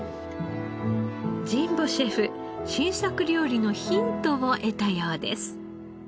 神保シェフ新作料理のヒントを得たようです。